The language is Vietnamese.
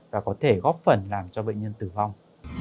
và có thể góp phần làm cho bệnh nhân tử vong